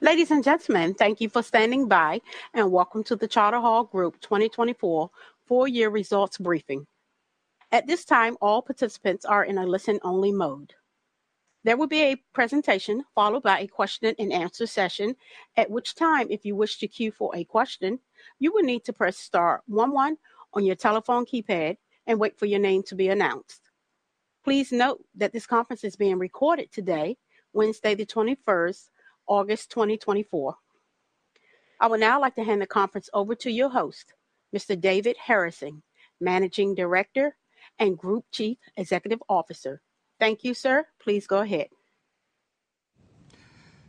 Ladies and gentlemen, thank you for standing by, and welcome to the Charter Hall Group twenty twenty-four full year results briefing. At this time, all participants are in a listen-only mode. There will be a presentation followed by a question and answer session, at which time, if you wish to queue for a question, you will need to press star one one on your telephone keypad and wait for your name to be announced. Please note that this conference is being recorded today, Wednesday, the twenty-first, August twenty twenty-four. I would now like to hand the conference over to your host, Mr. David Harrison, Managing Director and Group Chief Executive Officer. Thank you, sir. Please go ahead.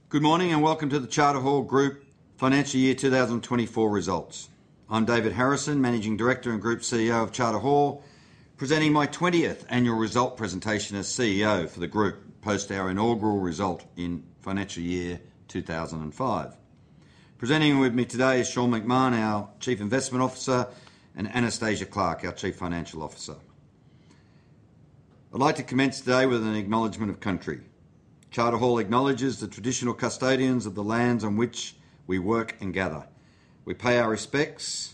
Good morning, and welcome to the Charter Hall Group Financial Year two thousand and twenty-four results. I'm David Harrison, Managing Director and Group CEO of Charter Hall, presenting my twentieth annual result presentation as CEO for the group, post our inaugural result in financial year two thousand and five. Presenting with me today is Sean McMahon, our Chief Investment Officer, and Anastasia Clarke, our Chief Financial Officer. I'd like to commence today with an acknowledgment of country. Charter Hall acknowledges the traditional custodians of the lands on which we work and gather. We pay our respects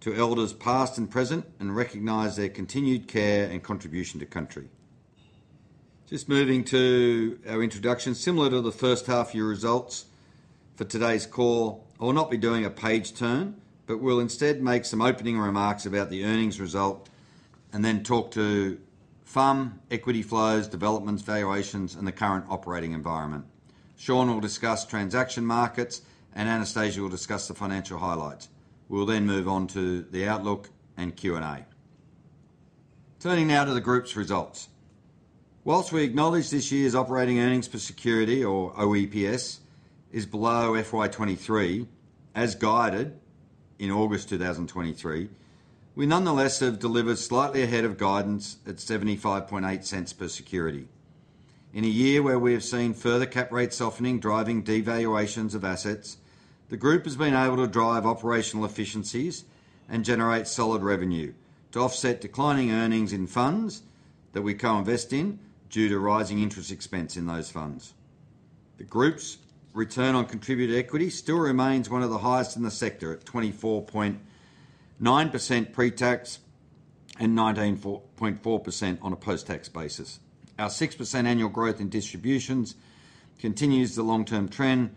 to elders past and present, and recognize their continued care and contribution to country. Just moving to our introduction. Similar to the first half year results, for today's call, I will not be doing a page turn, but will instead make some opening remarks about the earnings result and then talk to FUM, equity flows, developments, valuations, and the current operating environment. Sean will discuss transaction markets, and Anastasia will discuss the financial highlights. We'll then move on to the outlook and Q&A. Turning now to the group's results. While we acknowledge this year's operating earnings per security, or OEPS, is below FY 2023, as guided in August 2023, we nonetheless have delivered slightly ahead of guidance at 0.758 per security. In a year where we have seen further cap rates softening, driving devaluations of assets, the group has been able to drive operational efficiencies and generate solid revenue to offset declining earnings in funds that we co-invest in due to rising interest expense in those funds. The group's return on contributed equity still remains one of the highest in the sector at 24.9% pre-tax and 19.4% on a post-tax basis. Our 6% annual growth in distributions continues the long-term trend,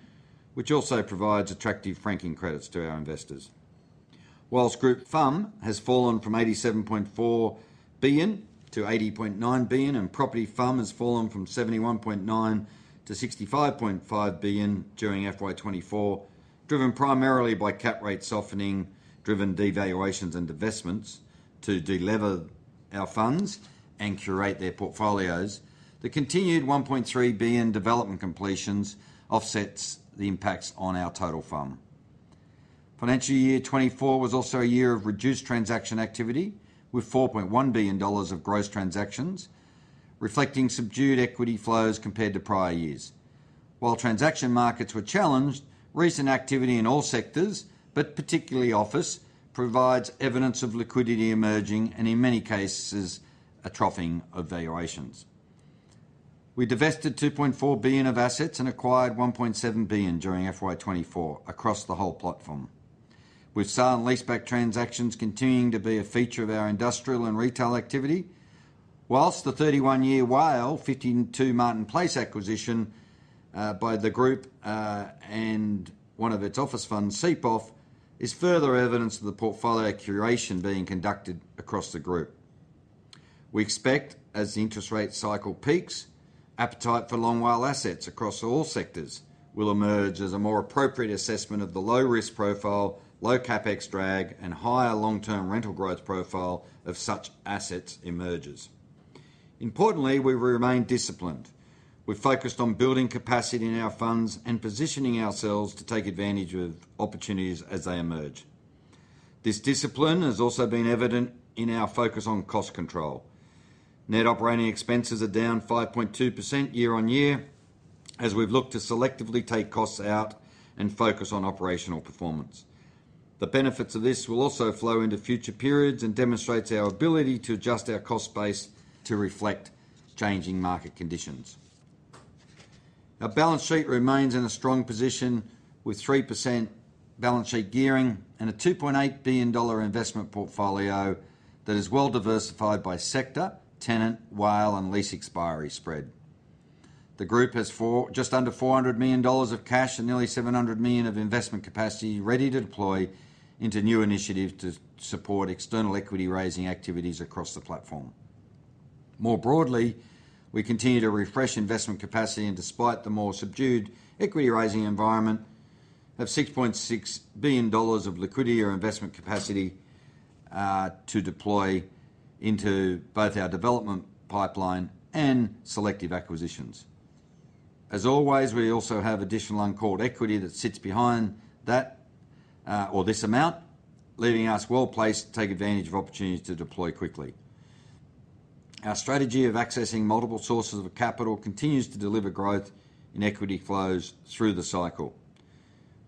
which also provides attractive franking credits to our investors. While group FUM has fallen from 87.4 billion to 80.9 billion, and property FUM has fallen from 71.9 billion to 65.5 billion during FY 2024, driven primarily by cap rate softening, devaluations and divestments to delever our funds and curate their portfolios, the continued 1.3 billion development completions offsets the impacts on our total FUM. Financial year 2024 was also a year of reduced transaction activity, with 4.1 billion dollars of gross transactions, reflecting subdued equity flows compared to prior years. While transaction markets were challenged, recent activity in all sectors, but particularly office, provides evidence of liquidity emerging and, in many cases, a troughing of valuations. We divested 2.4 billion of assets and acquired 1.7 billion during FY 2024 across the whole platform, with sale and leaseback transactions continuing to be a feature of our industrial and retail activity. While the 31-year WALE, 52 Martin Place acquisition by the group and one of its office funds, CPOF, is further evidence of the portfolio curation being conducted across the group. We expect, as the interest rate cycle peaks, appetite for long WALE assets across all sectors will emerge as a more appropriate assessment of the low risk profile, low CapEx drag, and higher long-term rental growth profile of such assets emerges. Importantly, we will remain disciplined. We've focused on building capacity in our funds and positioning ourselves to take advantage of opportunities as they emerge. This discipline has also been evident in our focus on cost control. Net operating expenses are down 5.2% year-on-year, as we've looked to selectively take costs out and focus on operational performance. The benefits of this will also flow into future periods and demonstrates our ability to adjust our cost base to reflect changing market conditions. Our balance sheet remains in a strong position, with 3% balance sheet gearing and a 2.8 billion dollar investment portfolio that is well-diversified by sector, tenant, WALE, and lease expiry spread. The group has just under 400 million dollars of cash and nearly 700 million of investment capacity ready to deploy into new initiatives to support external equity-raising activities across the platform. More broadly, we continue to refresh investment capacity, and despite the more subdued equity-raising environment, have 6.6 billion dollars of liquidity or investment capacity to deploy into both our development pipeline and selective acquisitions. As always, we also have additional uncalled equity that sits behind that or this amount, leaving us well placed to take advantage of opportunities to deploy quickly. Our strategy of accessing multiple sources of capital continues to deliver growth in equity flows through the cycle.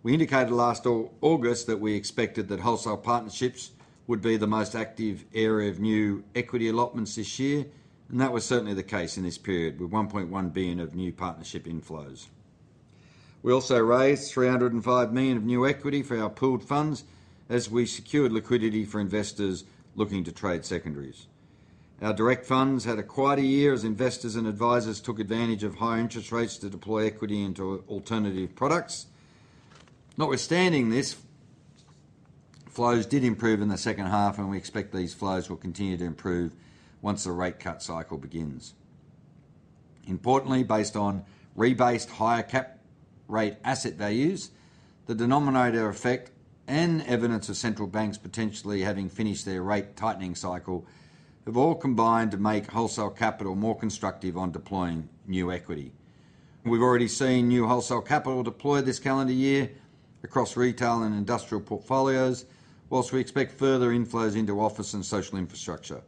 We indicated last August that we expected that wholesale partnerships would be the most active area of new equity allotments this year, and that was certainly the case in this period, with 1.1 billion of new partnership inflows. We also raised 305 million of new equity for our pooled funds as we secured liquidity for investors looking to trade secondaries. Our direct funds had a quiet year as investors and advisors took advantage of high interest rates to deploy equity into alternative products. Notwithstanding this, flows did improve in the second half, and we expect these flows will continue to improve once the rate cut cycle begins. Importantly, based on rebased higher cap rate asset values, the denominator effect and evidence of central banks potentially having finished their rate tightening cycle, have all combined to make wholesale capital more constructive on deploying new equity. We've already seen new wholesale capital deployed this calendar year across retail and industrial portfolios, whilst we expect further inflows into office and social infrastructure.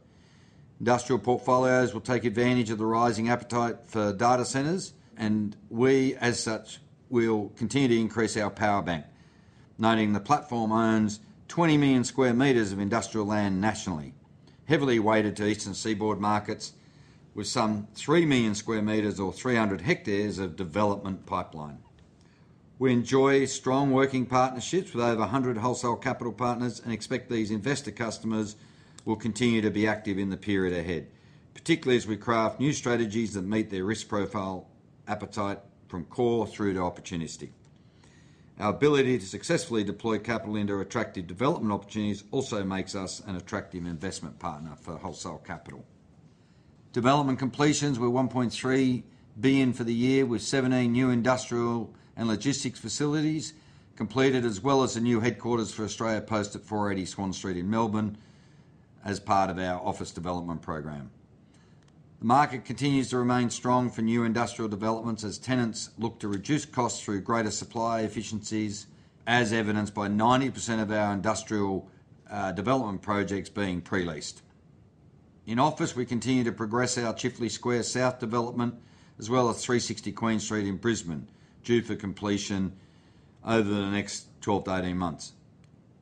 Industrial portfolios will take advantage of the rising appetite for data centers, and we, as such, will continue to increase our power bank. Noting the platform owns 20 million square meters of industrial land nationally, heavily weighted to eastern seaboard markets, with some 3 million square meters or 300 hectares of development pipeline. We enjoy strong working partnerships with over 100 wholesale capital partners and expect these investor customers will continue to be active in the period ahead, particularly as we craft new strategies that meet their risk profile appetite from core through to opportunistic. Our ability to successfully deploy capital into attractive development opportunities also makes us an attractive investment partner for wholesale capital. Development completions were 1.3 billion for the year, with 17 new industrial and logistics facilities completed, as well as a new headquarters for Australia Post at 480 Swan Street in Melbourne as part of our office development program. The market continues to remain strong for new industrial developments as tenants look to reduce costs through greater supply efficiencies, as evidenced by 90% of our industrial development projects being pre-leased. In office, we continue to progress our Chifley Square South development, as well as 360 Queen Street in Brisbane, due for completion over the next 12 to 18 months,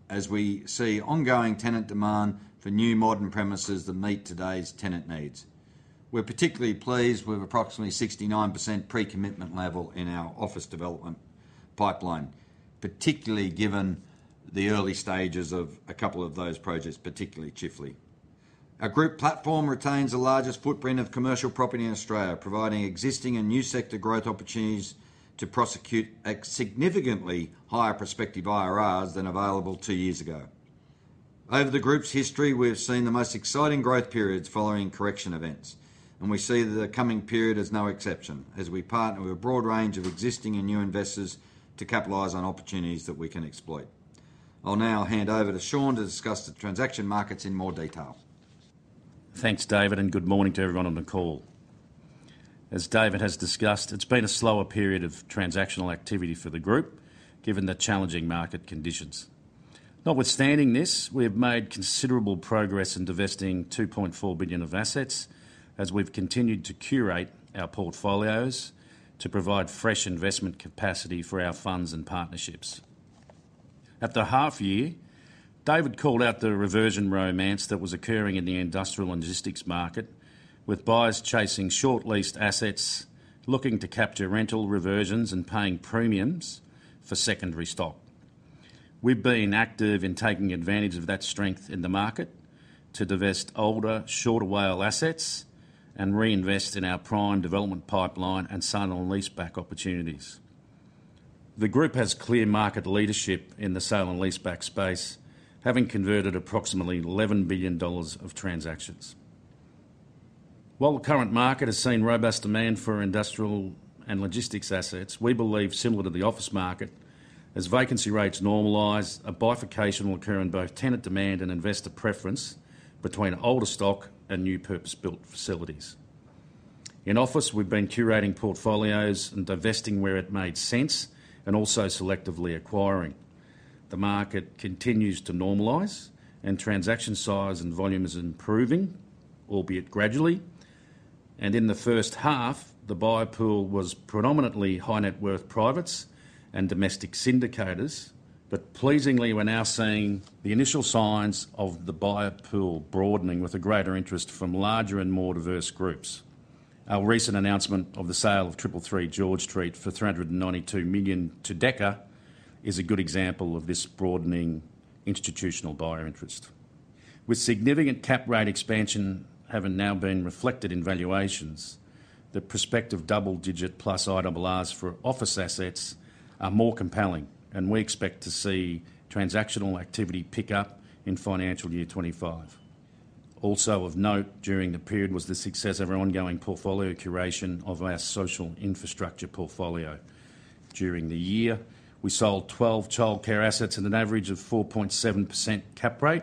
as we see ongoing tenant demand for new modern premises that meet today's tenant needs. We're particularly pleased with approximately 69% pre-commitment level in our office development pipeline, particularly given the early stages of a couple of those projects, particularly Chifley. Our group platform retains the largest footprint of commercial property in Australia, providing existing and new sector growth opportunities to prosecute at significantly higher prospective IRRs than available two years ago. Over the Group's history, we have seen the most exciting growth periods following correction events, and we see the coming period as no exception, as we partner with a broad range of existing and new investors to capitalize on opportunities that we can exploit. I'll now hand over to Sean to discuss the transaction markets in more detail. Thanks, David, and good morning to everyone on the call. As David has discussed, it's been a slower period of transactional activity for the Group, given the challenging market conditions. Notwithstanding this, we have made considerable progress in divesting 2.4 billion of assets as we've continued to curate our portfolios to provide fresh investment capacity for our funds and partnerships. At the half year, David called out the reversion romance that was occurring in the industrial logistics market, with buyers chasing short leased assets, looking to capture rental reversions and paying premiums for secondary stock. We've been active in taking advantage of that strength in the market to divest older, shorter WALE assets and reinvest in our prime development pipeline and sale and leaseback opportunities. The Group has clear market leadership in the sale and leaseback space, having converted approximately 11 billion dollars of transactions. While the current market has seen robust demand for industrial and logistics assets, we believe similar to the office market, as vacancy rates normalize, a bifurcation will occur in both tenant demand and investor preference between older stock and new purpose-built facilities. In office, we've been curating portfolios and divesting where it made sense and also selectively acquiring. The market continues to normalize and transaction size and volume is improving, albeit gradually. And in the first half, the buyer pool was predominantly high net worth privates and domestic syndicators. But pleasingly, we're now seeing the initial signs of the buyer pool broadening with a greater interest from larger and more diverse groups. Our recent announcement of the sale of 333 George Street for 392 million to Deka is a good example of this broadening institutional buyer interest. With significant cap rate expansion having now been reflected in valuations, the prospective double-digit plus IRRs for office assets are more compelling, and we expect to see transactional activity pick up in financial year 2025. Also of note during the period was the success of our ongoing portfolio curation of our social infrastructure portfolio. During the year, we sold twelve childcare assets at an average of 4.7% cap rate,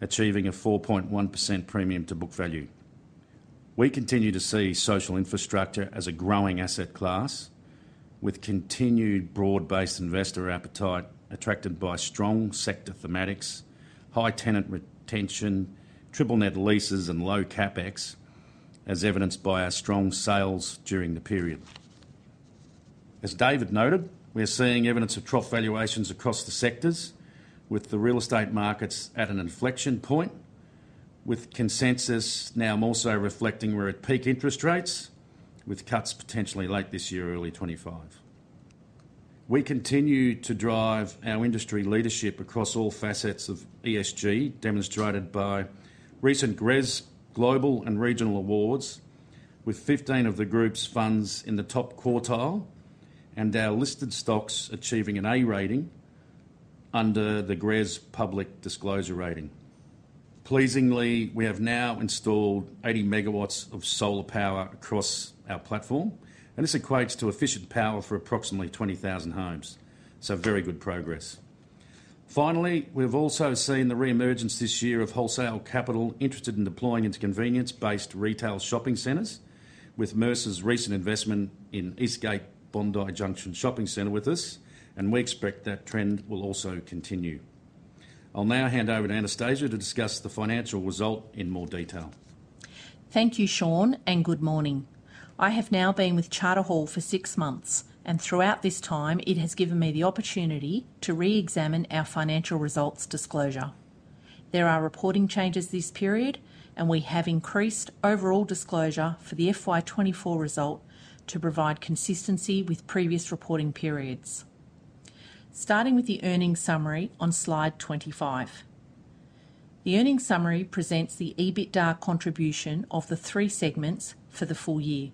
achieving a 4.1% premium to book value. We continue to see social infrastructure as a growing asset class, with continued broad-based investor appetite attracted by strong sector thematics, high tenant retention, triple net leases, and low CapEx... as evidenced by our strong sales during the period. As David noted, we are seeing evidence of trough valuations across the sectors, with the real estate markets at an inflection point, with consensus now also reflecting we're at peak interest rates, with cuts potentially late this year, early 2025. We continue to drive our industry leadership across all facets of ESG, demonstrated by recent GRESB global and regional awards, with 15 of the group's funds in the top quartile, and our listed stocks achieving an A rating under the GRESB Public Disclosure Rating. Pleasingly, we have now installed 80 megawatts of solar power across our platform, and this equates to efficient power for approximately 20,000 homes. Very good progress. Finally, we've also seen the reemergence this year of wholesale capital interested in deploying into convenience-based retail shopping centers, with Mercer's recent investment in Eastgate Bondi Junction Shopping Centre with us, and we expect that trend will also continue. I'll now hand over to Anastasia to discuss the financial result in more detail. Thank you, Sean, and good morning. I have now been with Charter Hall for six months, and throughout this time, it has given me the opportunity to reexamine our financial results disclosure. There are reporting changes this period, and we have increased overall disclosure for the FY 2024 result to provide consistency with previous reporting periods. Starting with the earnings summary on slide 25. The earnings summary presents the EBITDA contribution of the three segments for the full year.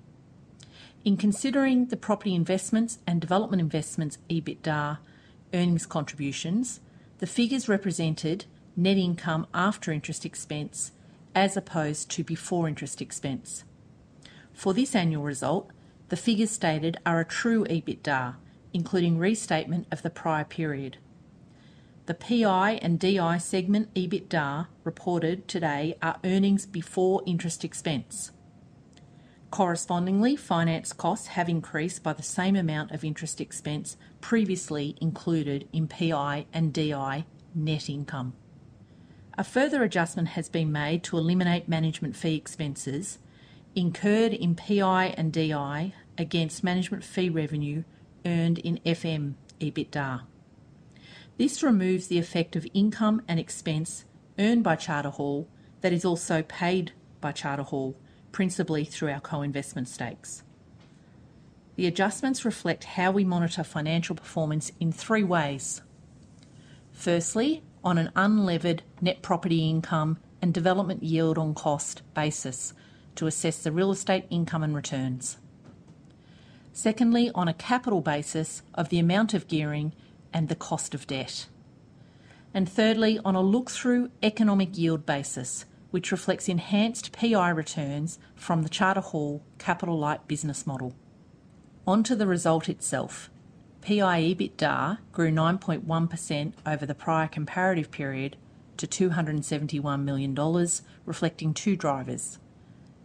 In considering the property investments and development investments, EBITDA, earnings contributions, the figures represented net income after interest expense, as opposed to before interest expense. For this annual result, the figures stated are a true EBITDA, including restatement of the prior period. The PI and DI segment EBITDA reported today are earnings before interest expense. Correspondingly, finance costs have increased by the same amount of interest expense previously included in PI and DI net income. A further adjustment has been made to eliminate management fee expenses incurred in PI and DI against management fee revenue earned in FM EBITDA. This removes the effect of income and expense earned by Charter Hall that is also paid by Charter Hall, principally through our co-investment stakes. The adjustments reflect how we monitor financial performance in three ways. Firstly, on an unlevered net property income and development yield on cost basis to assess the real estate income and returns. Secondly, on a capital basis of the amount of gearing and the cost of debt. And thirdly, on a look-through economic yield basis, which reflects enhanced PI returns from the Charter Hall capital-light business model. On to the result itself, PI EBITDA grew 9.1% over the prior comparative period to 271 million dollars, reflecting two drivers.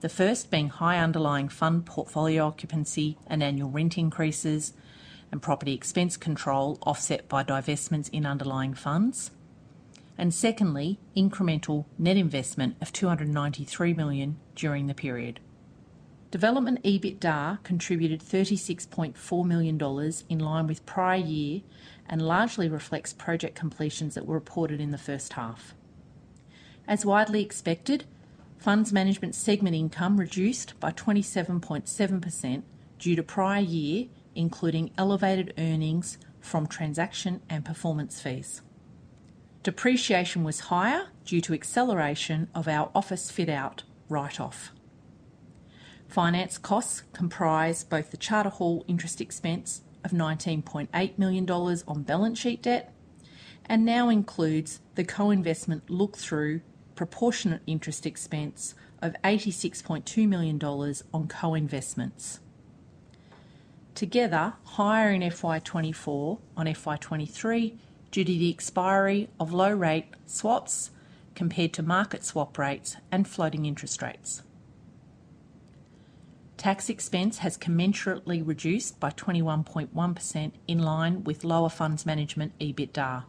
The first being high underlying fund portfolio occupancy and annual rent increases and property expense control, offset by divestments in underlying funds, and secondly, incremental net investment of 293 million during the period. Development EBITDA contributed 36.4 million dollars in line with prior year and largely reflects project completions that were reported in the first half. As widely expected, funds management segment income reduced by 27.7% due to prior year, including elevated earnings from transaction and performance fees. Depreciation was higher due to acceleration of our office fit-out write-off. Finance costs comprise both the Charter Hall interest expense of 19.8 million dollars on balance sheet debt, and now includes the co-investment look-through proportionate interest expense of 86.2 million dollars on co-investments. Together, higher in FY 2024 on FY 2023 due to the expiry of low-rate swaps compared to market swap rates and floating interest rates. Tax expense has commensurately reduced by 21.1%, in line with lower funds management EBITDA.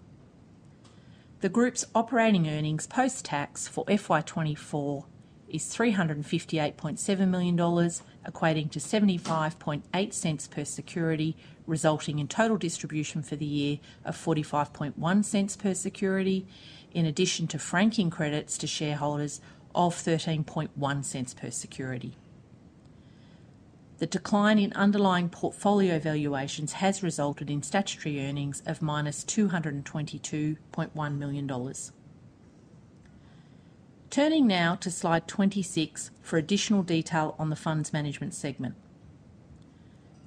The group's operating earnings post-tax for FY 2024 is 358.7 million dollars, equating to 0.758 per security, resulting in total distribution for the year of 0.451 per security, in addition to franking credits to shareholders of 0.131 per security. The decline in underlying portfolio valuations has resulted in statutory earnings of -222.1 million dollars. Turning now to Slide 26 for additional detail on the funds management segment.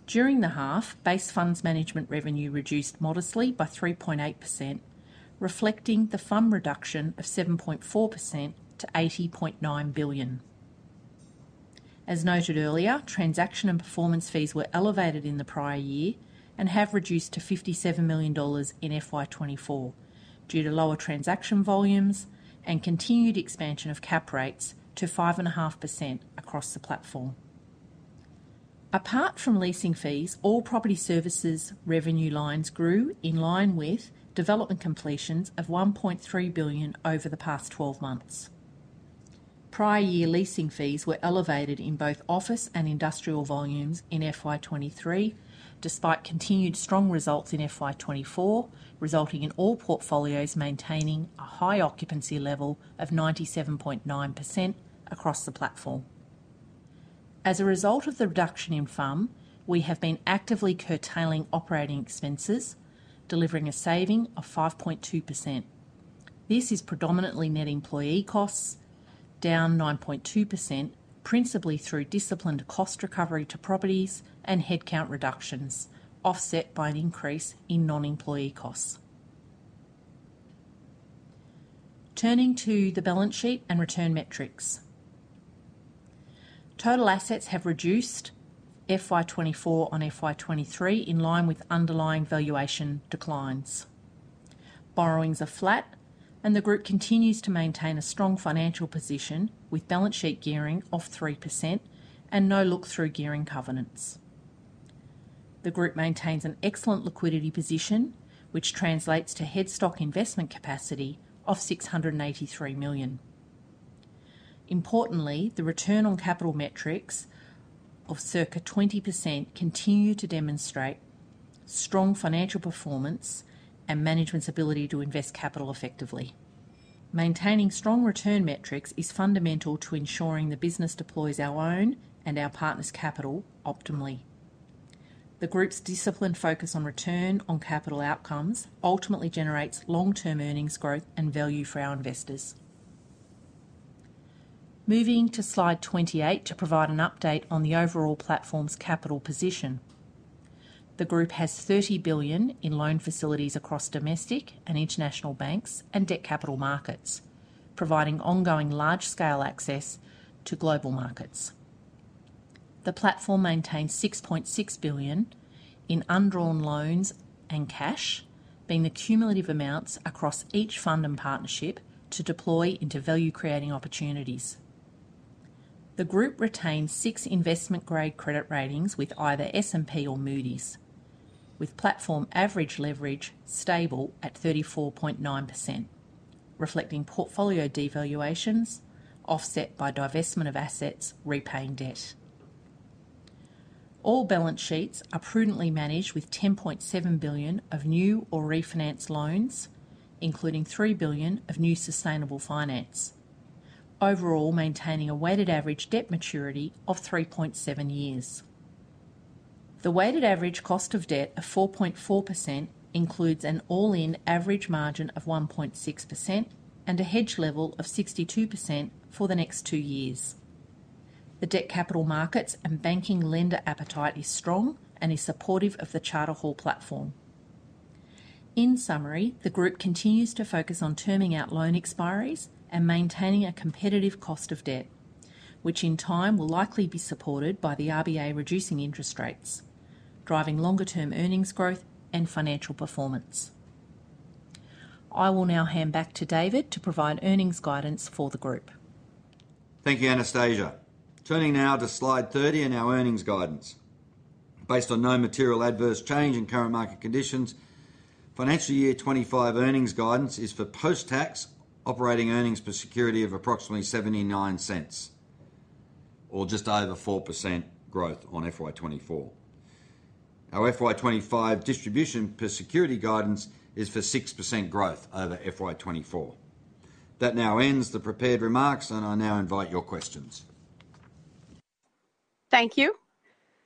During the half, base funds management revenue reduced modestly by 3.8%, reflecting the fund reduction of 7.4% to 80.9 billion. As noted earlier, transaction and performance fees were elevated in the prior year and have reduced to 57 million dollars in FY 2024 due to lower transaction volumes and continued expansion of cap rates to 5.5% across the platform.... Apart from leasing fees, all property services revenue lines grew in line with development completions of 1.3 billion over the past twelve months. Prior year leasing fees were elevated in both office and industrial volumes in FY 2023, despite continued strong results in FY 2024, resulting in all portfolios maintaining a high occupancy level of 97.9% across the platform. As a result of the reduction in FUM, we have been actively curtailing operating expenses, delivering a saving of 5.2%. This is predominantly net employee costs, down 9.2%, principally through disciplined cost recovery to properties and headcount reductions, offset by an increase in non-employee costs. Turning to the balance sheet and return metrics. Total assets have reduced FY 2024 on FY 2023, in line with underlying valuation declines. Borrowings are flat, and the group continues to maintain a strong financial position, with balance sheet gearing of 3% and no look-through gearing covenants. The group maintains an excellent liquidity position, which translates to headroom investment capacity of 683 million. Importantly, the return on capital metrics of circa 20% continue to demonstrate strong financial performance and management's ability to invest capital effectively. Maintaining strong return metrics is fundamental to ensuring the business deploys our own and our partners' capital optimally. The group's disciplined focus on return on capital outcomes ultimately generates long-term earnings growth and value for our investors. Moving to slide 28 to provide an update on the overall platform's capital position. The group has 30 billion in loan facilities across domestic and international banks and debt capital markets, providing ongoing large-scale access to global markets. The platform maintains 6.6 billion in undrawn loans and cash, being the cumulative amounts across each fund and partnership to deploy into value-creating opportunities. The group retains six investment-grade credit ratings with either S&P or Moody's, with platform average leverage stable at 34.9%, reflecting portfolio devaluations offset by divestment of assets repaying debt. All balance sheets are prudently managed with 10.7 billion of new or refinanced loans, including 3 billion of new sustainable finance. Overall, maintaining a weighted average debt maturity of 3.7 years. The weighted average cost of debt of 4.4% includes an all-in average margin of 1.6% and a hedge level of 62% for the next two years. The debt capital markets and banking lender appetite is strong and is supportive of the Charter Hall platform. In summary, the group continues to focus on terming out loan expiries and maintaining a competitive cost of debt, which in time will likely be supported by the RBA reducing interest rates, driving longer-term earnings growth and financial performance. I will now hand back to David to provide earnings guidance for the group. Thank you, Anastasia. Turning now to slide thirty and our earnings guidance. Based on no material adverse change in current market conditions, financial year 2025 earnings guidance is for post-tax operating earnings per security of approximately 0.79, or just over 4% growth on FY 2024. Our FY 2025 distribution per security guidance is for 6% growth over FY 2024. That now ends the prepared remarks, and I now invite your questions. Thank you.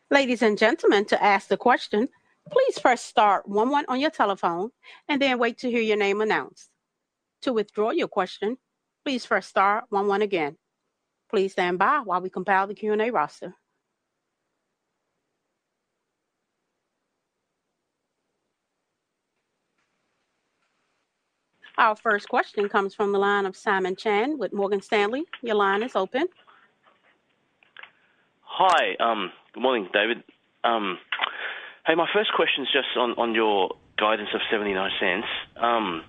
Ladies and gentlemen, to ask the question, please press star one one on your telephone and then wait to hear your name announced. To withdraw your question, please press star one one again. Please stand by while we compile the Q&A roster. Our first question comes from the line of Simon Chan with Morgan Stanley. Your line is open. Hi, good morning, David. Hey, my first question is just on your guidance of 0.79.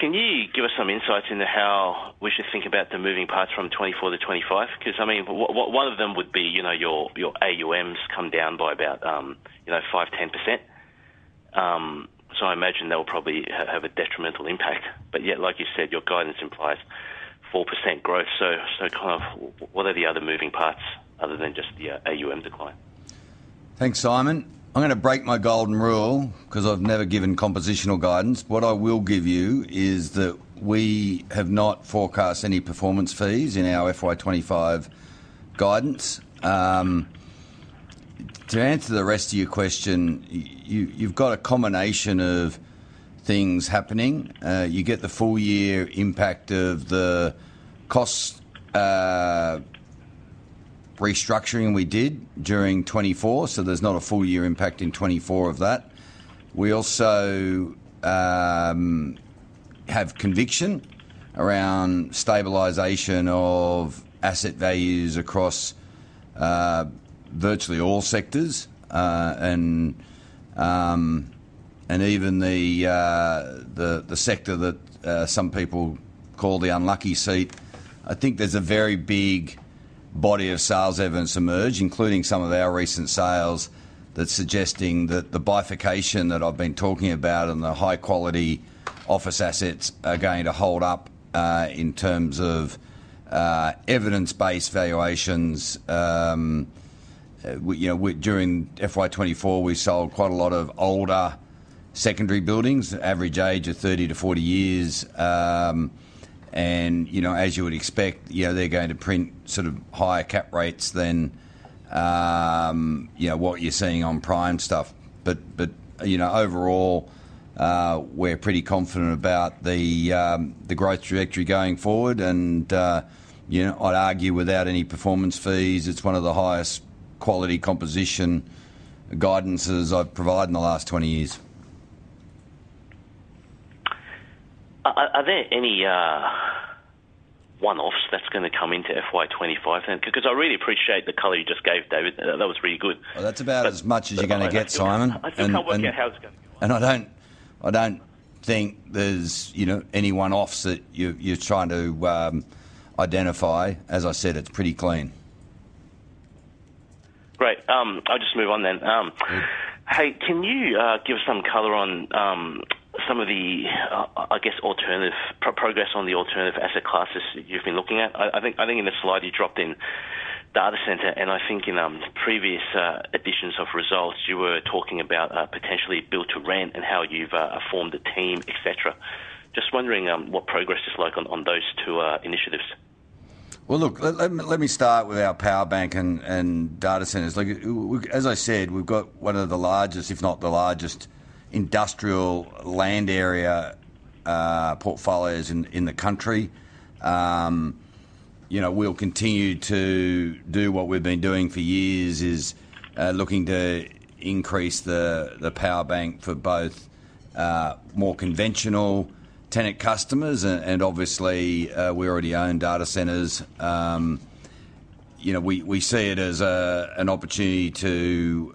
Can you give us some insights into how we should think about the moving parts from 2024 to 2025? Because, I mean, one of them would be, you know, your, your AUMs come down by about, you know, 5-10%. So I imagine that will probably have a detrimental impact, but yet, like you said, your guidance implies 4% growth. So, so kind of what are the other moving parts other than just the AUM decline? Thanks, Simon. I'm gonna break my golden rule because I've never given compositional guidance. What I will give you is that we have not forecast any performance fees in our FY 2025 guidance. To answer the rest of your question, you, you've got a combination of things happening. You get the full year impact of the cost restructuring we did during 2024, so there's not a full year impact in 2024 of that. We also have conviction around stabilization of asset values across virtually all sectors. And... and even the sector that some people call the unlucky sector, I think there's a very big body of sales evidence emerging, including some of our recent sales, that's suggesting that the bifurcation that I've been talking about and the high quality office assets are going to hold up in terms of evidence-based valuations. We, you know, during FY 2024, we sold quite a lot of older secondary buildings, average age of 30 to 40 years, and, you know, as you would expect, you know, they're going to print sort of higher cap rates than, you know, what you're seeing on prime stuff, but, you know, overall, we're pretty confident about the growth trajectory going forward. You know, I'd argue without any performance fees, it's one of the highest quality composition guidances I've provided in the last 20 years. Are there any one-offs that's gonna come into FY25 then? 'Cause I really appreciate the color you just gave, David. That was really good. Well, that's about as much as you're gonna get, Simon. I still can't work out how it's gonna go. I don't think there's, you know, any one-offs that you're trying to identify. As I said, it's pretty clean. Great. I'll just move on then. Hey, can you give some color on some of the, I guess, progress on the alternative asset classes you've been looking at? I think in the slide you dropped in data center, and I think in previous editions of results, you were talking about potentially build to rent and how you've formed a team, et cetera. Just wondering what progress is like on those two initiatives? Look, let me start with our power bank and data centers. Like, as I said, we've got one of the largest, if not the largest, industrial land area portfolios in the country. You know, we'll continue to do what we've been doing for years, is looking to increase the power bank for both more conventional tenant customers and obviously, we already own data centers. You know, we see it as an opportunity to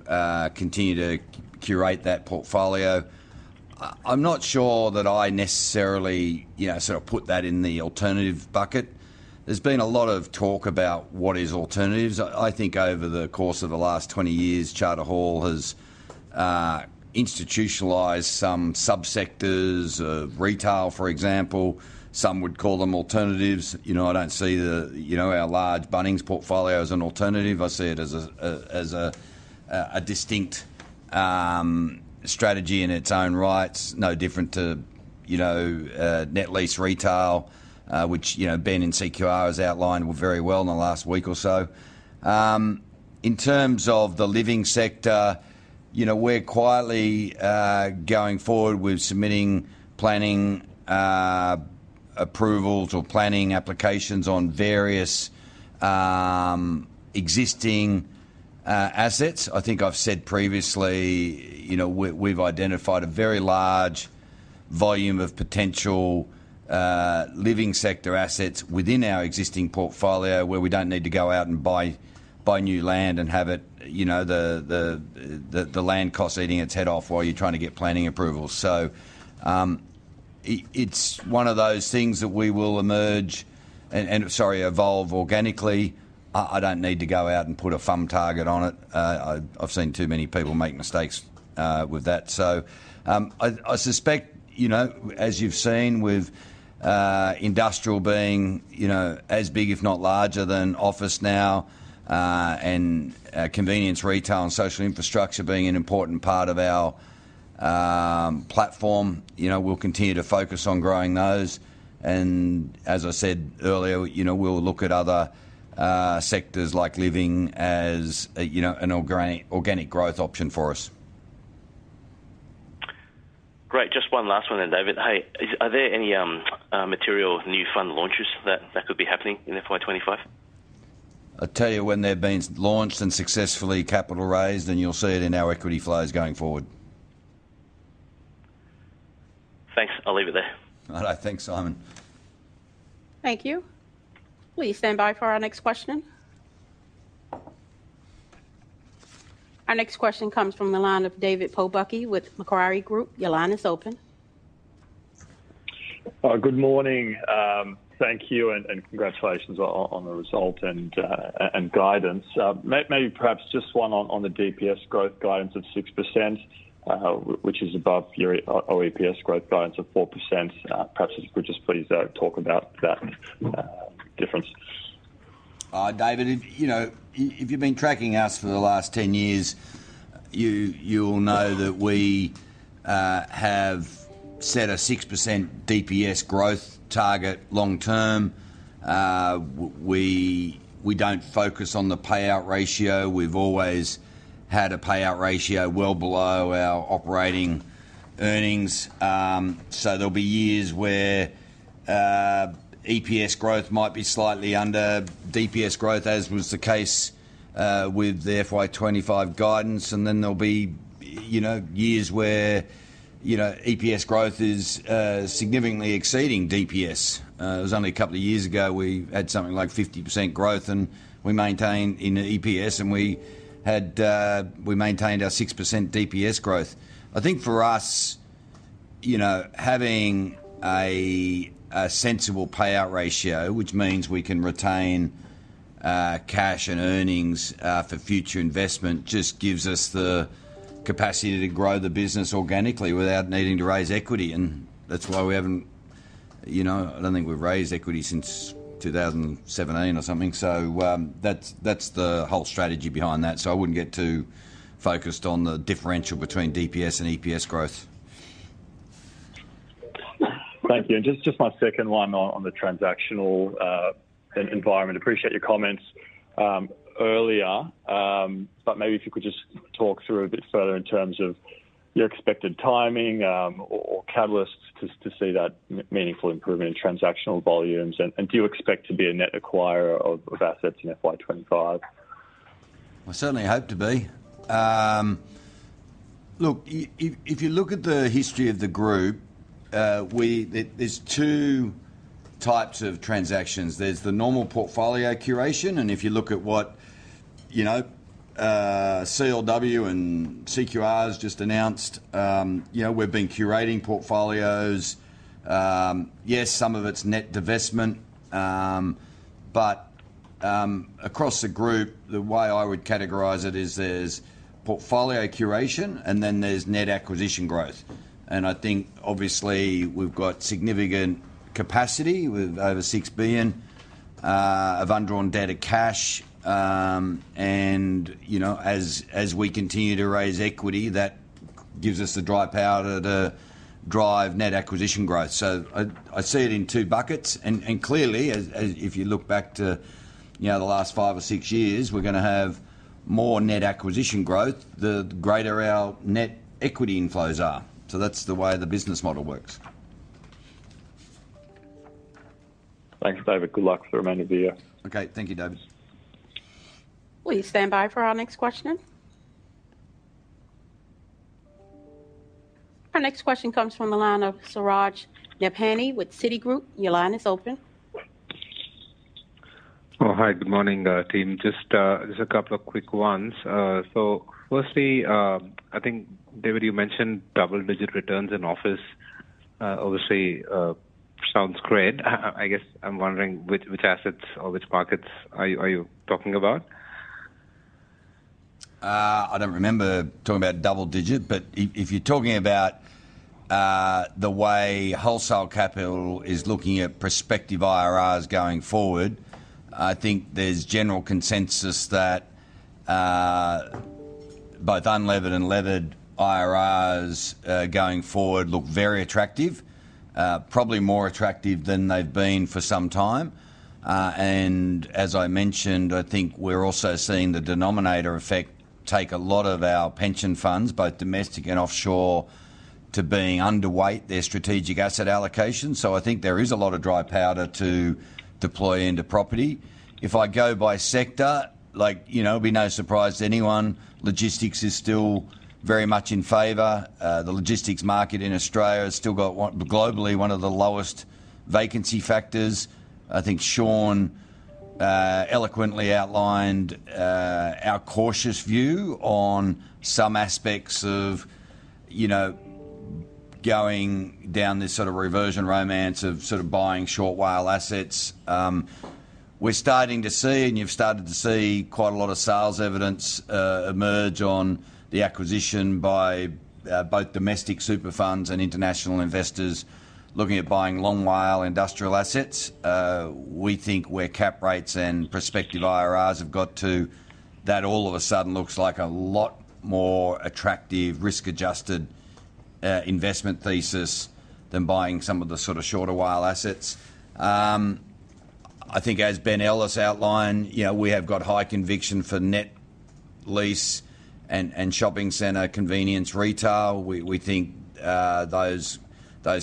continue to curate that portfolio. I'm not sure that I necessarily, you know, sort of put that in the alternative bucket. There's been a lot of talk about what is alternatives. I think over the course of the last twenty years, Charter Hall has institutionalized some subsectors of retail, for example. Some would call them alternatives. You know, I don't see, you know, our large Bunnings portfolio as an alternative. I see it as a distinct strategy in its own right, no different to, you know, net lease retail, which, you know, Ben in CQR has outlined very well in the last week or so. In terms of the living sector, you know, we're quietly going forward with submitting planning approvals or planning applications on various existing assets. I think I've said previously, you know, we've identified a very large volume of potential living sector assets within our existing portfolio, where we don't need to go out and buy new land and have it, you know, the land cost eating its head off while you're trying to get planning approval. It's one of those things that we will evolve organically. I don't need to go out and put a firm target on it. I've seen too many people make mistakes with that. I suspect, you know, as you've seen with industrial being, you know, as big if not larger than office now, and convenience retail and social infrastructure being an important part of our platform, you know, we'll continue to focus on growing those. As I said earlier, you know, we'll look at other sectors like living as a, you know, an organic growth option for us. Great. Just one last one then, David. Hey, are there any material new fund launches that could be happening in FY25? I'll tell you, when they've been launched and successfully capital raised, then you'll see it in our equity flows going forward. Thanks. I'll leave it there. All right. Thanks, Simon. Thank you. Please stand by for our next question. Our next question comes from the line of David Pobucki with Macquarie Group. Your line is open. Good morning. Thank you and congratulations on the result and guidance. Maybe perhaps just one on the DPS growth guidance of 6%, which is above your OEPS growth guidance of 4%. Perhaps you could just please talk about that difference. David, if you know, if you've been tracking us for the last 10 years, you'll know that we have set a 6% DPS growth target long term. We don't focus on the payout ratio. We've always had a payout ratio well below our operating earnings. So there'll be years where EPS growth might be slightly under DPS growth, as was the case with the FY 2025 guidance, and then there'll be, you know, years where, you know, EPS growth is significantly exceeding DPS. It was only a couple of years ago, we had something like 50% growth in EPS, and we maintained our 6% DPS growth. I think for us-... You know, having a sensible payout ratio, which means we can retain cash and earnings for future investment, just gives us the capacity to grow the business organically without needing to raise equity, and that's why we haven't, you know, I don't think we've raised equity since two thousand and seventeen or something. So, that's the whole strategy behind that. So I wouldn't get too focused on the differential between DPS and EPS growth. Thank you. And just my second one on the transactional environment. Appreciate your comments earlier, but maybe if you could just talk through a bit further in terms of your expected timing, or catalysts to see that meaningful improvement in transactional volumes. And do you expect to be a net acquirer of assets in FY 2025? I certainly hope to be. Look, if you look at the history of the group, we, there, there's two types of transactions. There's the normal portfolio curation, and if you look at what, you know, CLW and CQR has just announced, you know, we've been curating portfolios. Yes, some of it's net divestment, but, across the group, the way I would categorize it is there's portfolio curation, and then there's net acquisition growth. And I think obviously we've got significant capacity with over 6 billion of undrawn debt and cash. And, you know, as we continue to raise equity, that gives us the dry powder to drive net acquisition growth. So I see it in two buckets. Clearly, if you look back to, you know, the last five or six years, we're gonna have more net acquisition growth, the greater our net equity inflows are. So that's the way the business model works. Thanks, David. Good luck for the remainder of the year. Okay. Thank you, David. Please stand by for our next questioner. Our next question comes from the line of Suraj Nebhani with Citigroup. Your line is open. Oh, hi, good morning, team. Just, just a couple of quick ones, so firstly, I think David, you mentioned double-digit returns in office, obviously. Sounds great. I guess I'm wondering which assets or which markets are you talking about? I don't remember talking about double digit, but if you're talking about the way wholesale capital is looking at prospective IRRs going forward, I think there's general consensus that both unlevered and levered IRRs going forward look very attractive, probably more attractive than they've been for some time, and as I mentioned, I think we're also seeing the denominator effect take a lot of our pension funds, both domestic and offshore, to being underweight their strategic asset allocation. So I think there is a lot of dry powder to deploy into property. If I go by sector, like, you know, it'll be no surprise to anyone, logistics is still very much in favor. The logistics market in Australia has still got one of the lowest vacancy factors globally. I think Sean eloquently outlined our cautious view on some aspects of, you know, going down this sort of reversion romance of sort of buying short WALE assets. We're starting to see, and you've started to see, quite a lot of sales evidence emerge on the acquisition by both domestic super funds and international investors looking at buying long WALE industrial assets. We think where cap rates and prospective IRRs have got to, that all of a sudden looks like a lot more attractive, risk-adjusted investment thesis than buying some of the sort of shorter WALE assets. I think as Ben Ellis outlined, you know, we have got high conviction for net lease and shopping center, convenience retail. We think those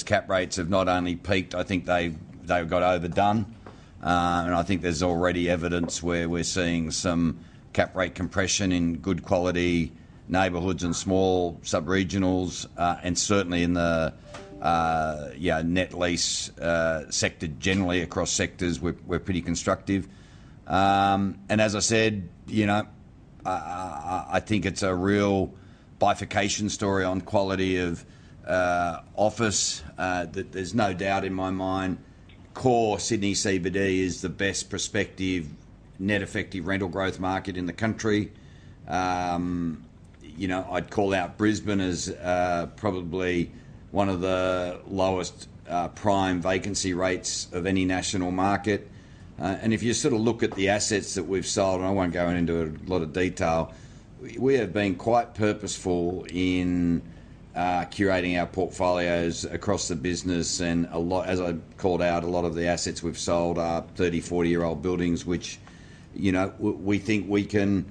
cap rates have not only peaked, I think they've got overdone. And I think there's already evidence where we're seeing some cap rate compression in good quality neighborhoods and small subregionals, and certainly in the net lease sector. Generally across sectors, we're pretty constructive. As I said, you know, I think it's a real bifurcation story on quality of office. There's no doubt in my mind, core Sydney CBD is the best prospective net effective rental growth market in the country. You know, I'd call out Brisbane as probably one of the lowest prime vacancy rates of any national market. If you sort of look at the assets that we've sold, and I won't go into a lot of detail, we have been quite purposeful in curating our portfolios across the business, and a lot... As I called out, a lot of the assets we've sold are thirty, forty-year-old buildings, which, you know, we think we can,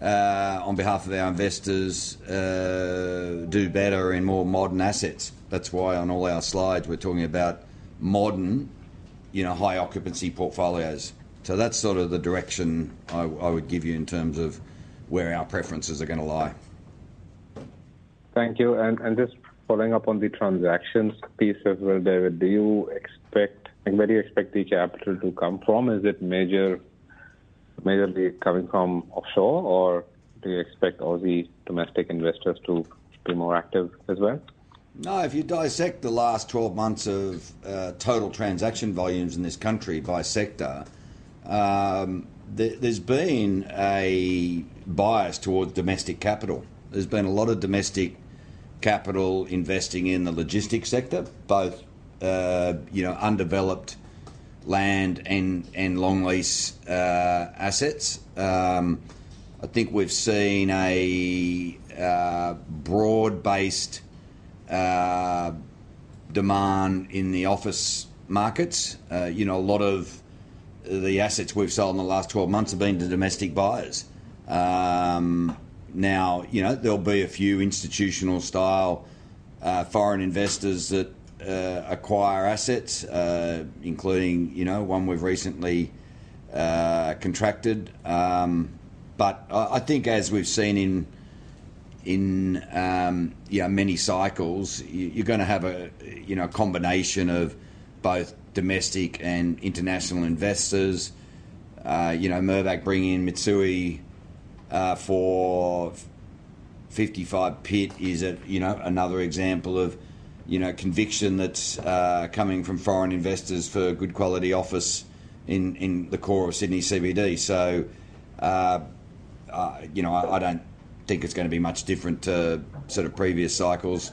on behalf of our investors, do better in more modern assets. That's why on all our slides, we're talking about modern, you know, high occupancy portfolios. So that's sort of the direction I would give you in terms of where our preferences are gonna lie. Thank you. And just following up on the transactions piece as well, David, do you expect, and where do you expect the capital to come from? Is it majorly coming from offshore, or do you expect all the domestic investors to be more active as well? No, if you dissect the last twelve months of total transaction volumes in this country by sector, there's been a bias towards domestic capital. There's been a lot of domestic capital investing in the logistics sector, both you know undeveloped land and long lease assets. I think we've seen a broad-based demand in the office markets. You know, a lot of the assets we've sold in the last twelve months have been to domestic buyers. Now, you know, there'll be a few institutional style foreign investors that acquire assets, including you know one we've recently contracted. But I think as we've seen in yeah many cycles, you're gonna have a you know a combination of both domestic and international investors. You know, Mirvac bringing in Mitsui for 55 Pitt Street is a, you know, another example of, you know, conviction that's coming from foreign investors for good quality office in the core of Sydney CBD. So, you know, I don't think it's gonna be much different to sort of previous cycles.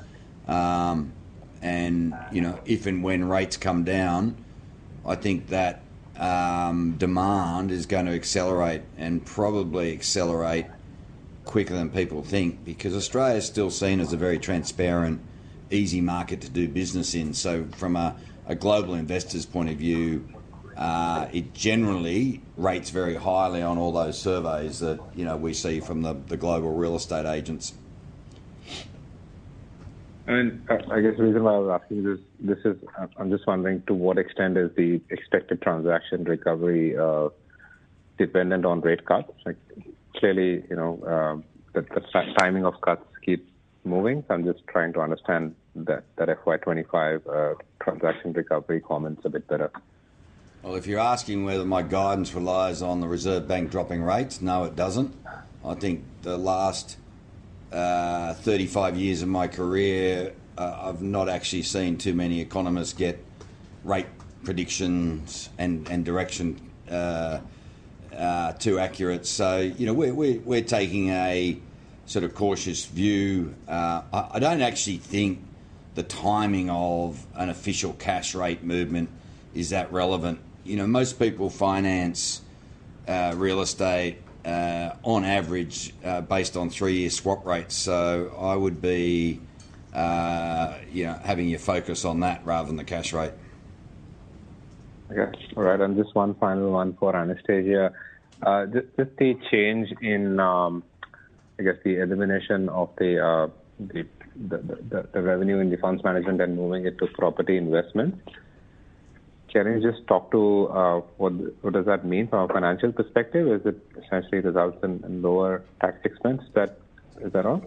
And, you know, if and when rates come down, I think that demand is gonna accelerate and probably accelerate quicker than people think, because Australia is still seen as a very transparent, easy market to do business in. So from a global investor's point of view, it generally rates very highly on all those surveys that, you know, we see from the global real estate agents. I guess the reason why I was asking this is, I'm just wondering to what extent is the expected transaction recovery dependent on rate cuts? Like, clearly, you know, the timing of cuts keeps moving. I'm just trying to understand that FY 2025 transaction recovery comments a bit better. If you're asking whether my guidance relies on the Reserve Bank dropping rates, no, it doesn't. I think the last thirty-five years of my career, I've not actually seen too many economists get rate predictions and direction too accurate. So, you know, we're taking a sort of cautious view. I don't actually think the timing of an official cash rate movement is that relevant. You know, most people finance real estate on average based on three-year swap rates. So I would be, you know, having you focus on that rather than the cash rate. Okay. All right, and just one final one for Anastasia. Just the change in, I guess, the elimination of the revenue in the funds management and moving it to property investment. Can you just talk to what does that mean from a financial perspective? Is it essentially results in lower tax expense? That is that all?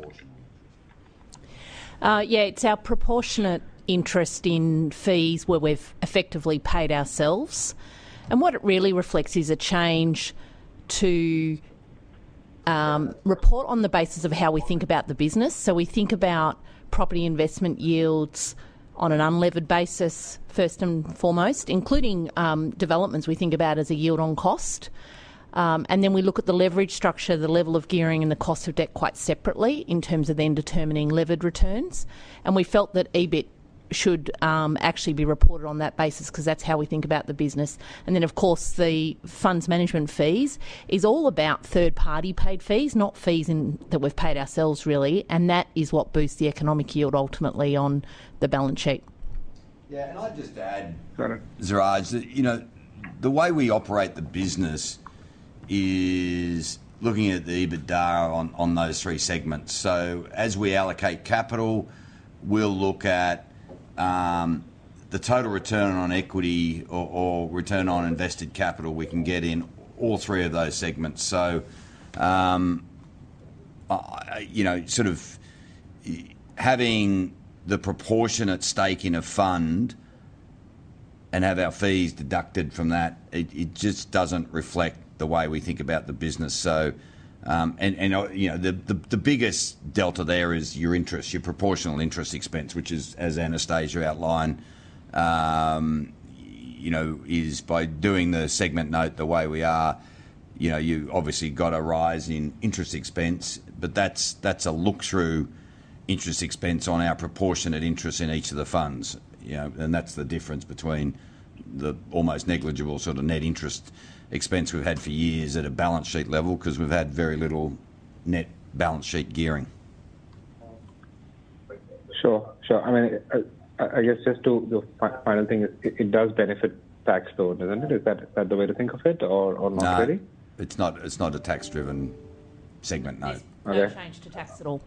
Yeah, it's our proportionate interest in fees where we've effectively paid ourselves, and what it really reflects is a change to report on the basis of how we think about the business. So we think about property investment yields on an unlevered basis, first and foremost, including developments we think about as a yield on cost. And then we look at the leverage structure, the level of gearing and the cost of debt quite separately in terms of then determining levered returns. And we felt that EBIT should actually be reported on that basis, 'cause that's how we think about the business. And then, of course, the funds management fees is all about third-party paid fees, not fees that we've paid ourselves, really, and that is what boosts the economic yield ultimately on the balance sheet. Yeah, and I'd just add- Go ahead. Suraj, you know, the way we operate the business is looking at the EBITDA on, on those three segments. So as we allocate capital, we'll look at, the total return on equity or, or return on invested capital we can get in all three of those segments. So, you know, sort of having the proportionate stake in a fund and have our fees deducted from that, it, it just doesn't reflect the way we think about the business. So, and, and, you know, the biggest delta there is your interest, your proportional interest expense, which is, as Anastasia outlined, you know, is by doing the segment note the way we are, you know, you obviously got a rise in interest expense, but that's, that's a look-through interest expense on our proportionate interest in each of the funds, you know? That's the difference between the almost negligible sort of net interest expense we've had for years at a balance sheet level, 'cause we've had very little net balance sheet gearing. Sure. Sure. I mean, I guess just to the final thing, it does benefit tax though, doesn't it? Is that the way to think of it, or not really? No, it's not, it's not a tax-driven segment, no. There's no change to tax at all.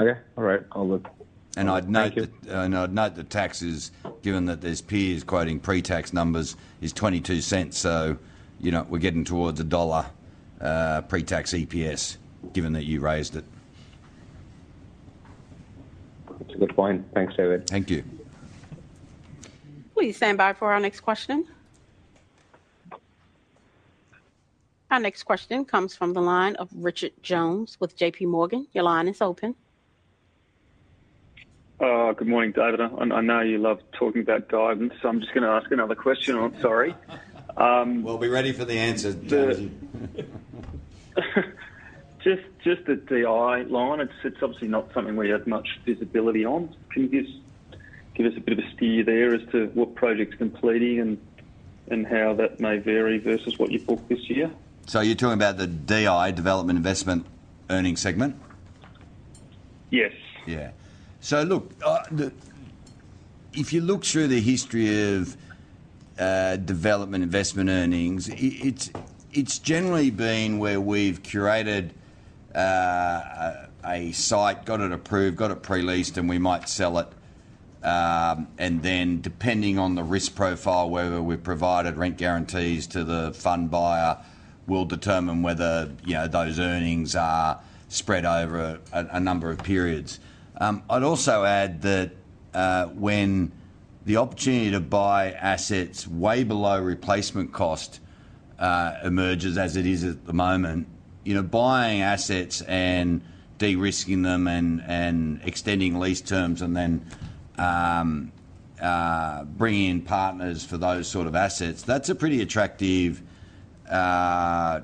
Okay, all right. I'll look. And I'd note that- Thank you. And I'd note that taxes, given that there's peers quoting pre-tax numbers, is 0.22, so, you know, we're getting towards AUD 1 pre-tax EPS, given that you raised it. That's a good point. Thanks, David. Thank you. Please stand by for our next question. Our next question comes from the line of Richard Jones with JP Morgan. Your line is open. Good morning, David. I know you love talking about guidance, so I'm just gonna ask another question on it, sorry. We'll be ready for the answer, Jonesy. Just the DI line, it's obviously not something we have much visibility on. Can you give us a bit of a steer there as to what projects completing and how that may vary versus what you booked this year? So you're talking about the DI, development investment earnings segment? Yes. Yeah. So look, the-- if you look through the history of development investment earnings, it's generally been where we've curated a site, got it approved, got it pre-leased, and we might sell it. And then, depending on the risk profile, whether we've provided rent guarantees to the fund buyer, we'll determine whether, you know, those earnings are spread over a number of periods. I'd also add that, when the opportunity to buy assets way below replacement cost emerges, as it is at the moment, you know, buying assets and de-risking them and extending lease terms and then bringing in partners for those sort of assets, that's a pretty attractive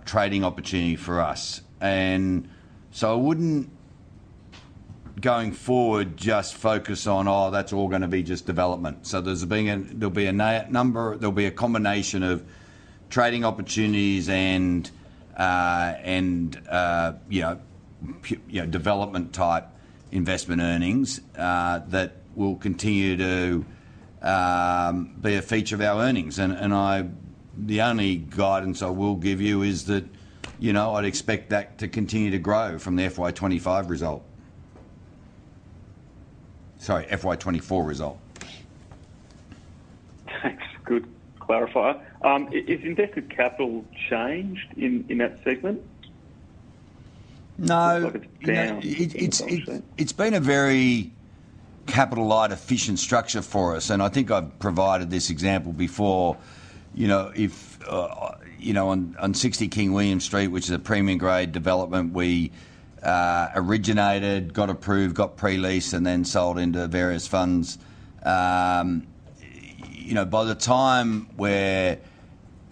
trading opportunity for us. And so I wouldn't, going forward, just focus on, oh, that's all gonna be just development. So there'll be a combination of trading opportunities and, you know, development type investment earnings that will continue to be a feature of our earnings. And the only guidance I will give you is that, you know, I'd expect that to continue to grow from the FY 2025 result. Sorry, FY 2024 result. Thanks. Good clarifier. Has invested capital changed in that segment? No. It's like it's down. It's been a very capital-light, efficient structure for us, and I think I've provided this example before. You know, if you know on 60 King William Street, which is a premium grade development, we originated, got approved, got pre-leased, and then sold into various funds. You know, by the time we're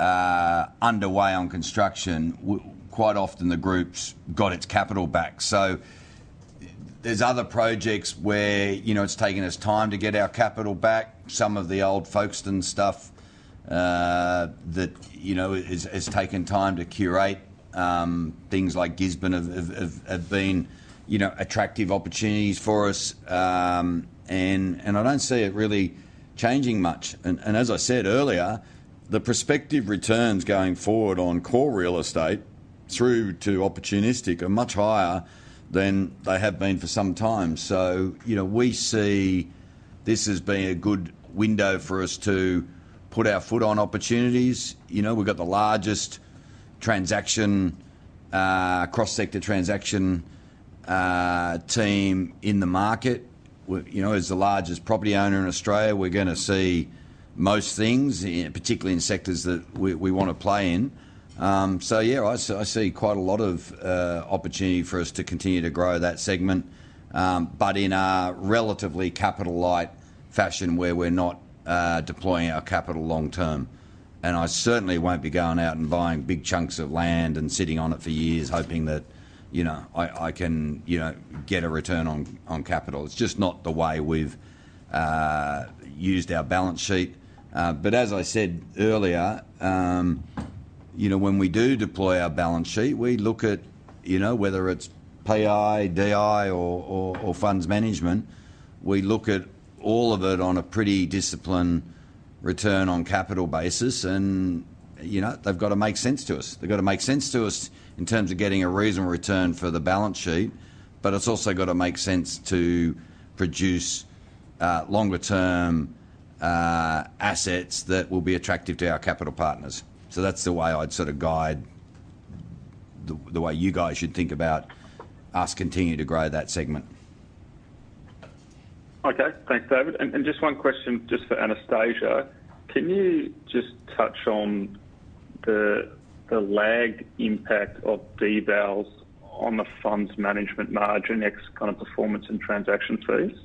underway on construction, quite often the group's got its capital back. So there's other projects where, you know, it's taken us time to get our capital back. Some of the old Folkestone stuff, that you know has taken time to curate. Things like Gisborne have been, you know, attractive opportunities for us. And I don't see it really changing much. As I said earlier, the prospective returns going forward on core real estate through to opportunistic are much higher than they have been for some time. So, you know, we see this as being a good window for us to put our foot on opportunities. You know, we've got the largest transaction, cross-sector transaction, team in the market. You know, as the largest property owner in Australia, we're gonna see most things, particularly in sectors that we wanna play in. So yeah, I see quite a lot of opportunity for us to continue to grow that segment, but in a relatively capital light fashion, where we're not deploying our capital long term. And I certainly won't be going out and buying big chunks of land and sitting on it for years, hoping that, you know, I can, you know, get a return on capital. It's just not the way we've used our balance sheet. But as I said earlier, you know, when we do deploy our balance sheet, we look at, you know, whether it's PI, DI, or funds management, we look at all of it on a pretty disciplined return on capital basis and, you know, they've got to make sense to us. They've got to make sense to us in terms of getting a reasonable return for the balance sheet, but it's also got to make sense to produce longer term assets that will be attractive to our capital partners. So that's the way I'd sort of guide the way you guys should think about us continuing to grow that segment. Okay, thanks, David. And just one question just for Anastasia. Can you just touch on the lagged impact of devals on the funds management margin, ex kind of performance and transaction fees,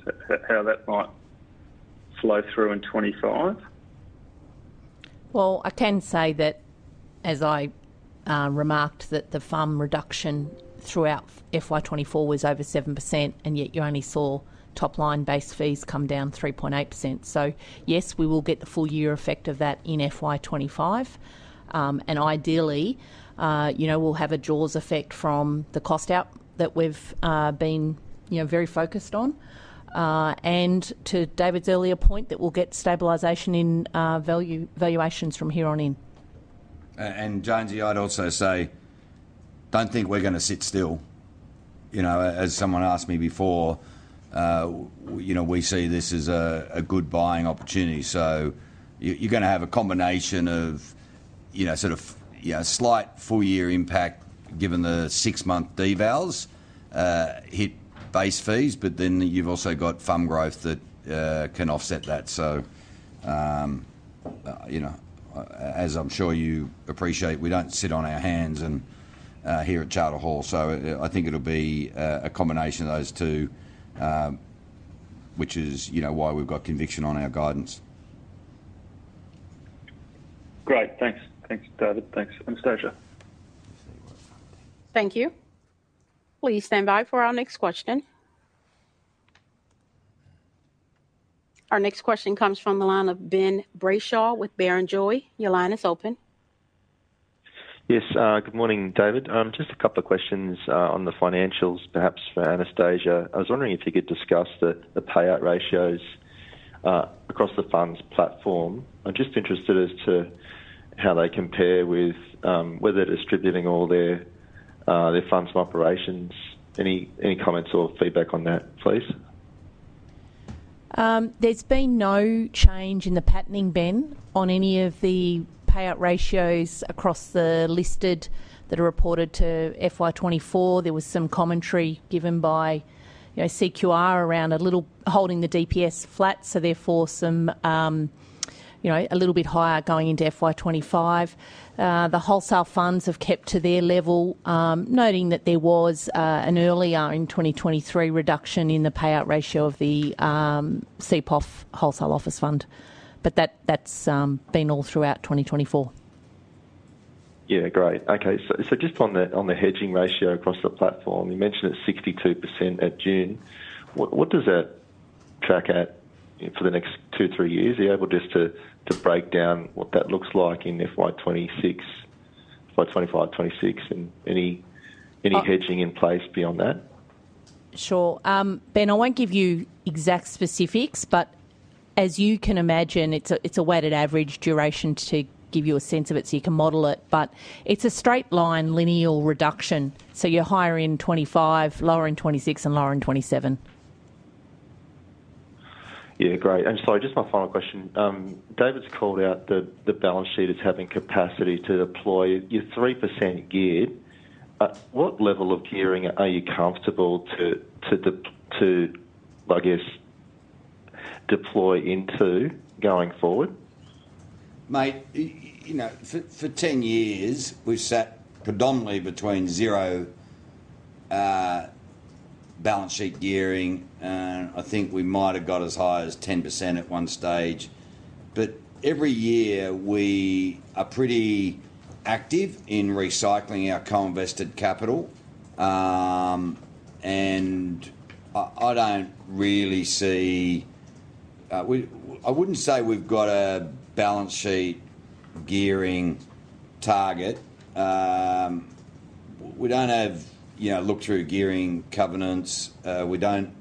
how that might flow through in 2025? Well, I can say that, as I remarked, that the fund reduction throughout FY 2024 was over 7%, and yet you only saw top-line base fees come down 3.8%. So yes, we will get the full year effect of that in FY 2025. And ideally, you know, we'll have a jaws effect from the cost out that we've been, you know, very focused on. And to David's earlier point, that we'll get stabilization in value, valuations from here on in. And Jonesy, I'd also say, don't think we're gonna sit still. You know, as someone asked me before, you know, we see this as a good buying opportunity. So you're gonna have a combination of, you know, sort of, you know, a slight full year impact given the six-month devals hit base fees, but then you've also got fund growth that can offset that. So you know, as I'm sure you appreciate, we don't sit on our hands and here at Charter Hall, so I think it'll be a combination of those two, which is, you know, why we've got conviction on our guidance. Great. Thanks. Thanks, David. Thanks. Anastasia? Thank you. Please stand by for our next question. Our next question comes from the line of Ben Brayshaw with Barrenjoey. Your line is open. Yes, good morning, David. Just a couple of questions on the financials, perhaps for Anastasia. I was wondering if you could discuss the payout ratios across the funds platform. I'm just interested as to how they compare with whether they're distributing all their funds from operations. Any comments or feedback on that, please? There's been no change in the patterning, Ben, on any of the payout ratios across the listed that are reported to FY 2024. There was some commentary given by, you know, CQR around a little holding the DPS flat, so therefore some, you know, a little bit higher going into FY 2025. The wholesale funds have kept to their level, noting that there was an earlier in 2023 reduction in the payout ratio of the CPOF Wholesale Office Fund. But that, that's been all throughout 2024. Yeah, great. Okay. So just on the hedging ratio across the platform, you mentioned it's 62% at June. What does that track at for the next two, three years? Are you able just to break down what that looks like in FY26, FY 2025, 26, and any hedging in place beyond that? Sure. Ben, I won't give you exact specifics, but as you can imagine, it's a weighted average duration to give you a sense of it so you can model it, but it's a straight line, linear reduction. So you're higher in 2025, lower in 2026 and lower in 2027. Yeah, great. And sorry, just my final question. David's called out that the balance sheet is having capacity to deploy. You're 3% geared, but what level of gearing are you comfortable to deploy into going forward? Mate, you know, for 10 years, we've sat predominantly between zero balance sheet gearing, and I think we might have got as high as 10% at one stage. But every year, we are pretty active in recycling our co-invested capital, and I don't really see. I wouldn't say we've got a balance sheet gearing target. We don't have, you know, look-through gearing covenants, we don't.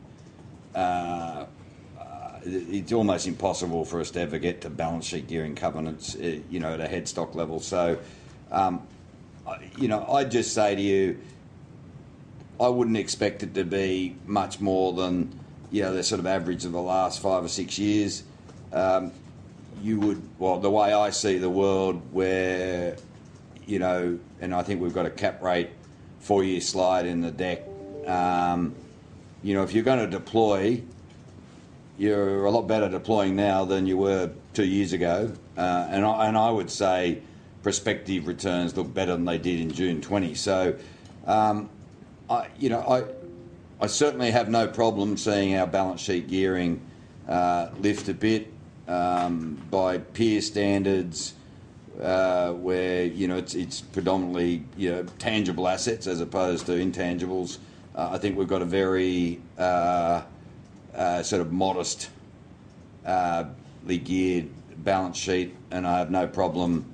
It's almost impossible for us to ever get to balance sheet gearing covenants, you know, at a Holdco level. So, you know, I'd just say to you, I wouldn't expect it to be much more than, you know, the sort of average of the last five or six years. You would. The way I see the world where, you know, and I think we've got a cap rate four-year slide in the deck, you know, if you're gonna deploy, you're a lot better deploying now than you were two years ago. And I would say prospective returns look better than they did in June 2020. So, I, you know, I certainly have no problem seeing our balance sheet gearing lift a bit, by peer standards, where, you know, it's predominantly tangible assets as opposed to intangibles. I think we've got a very sort of modestly geared balance sheet, and I have no problem